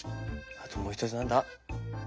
あともうひとつなんだ？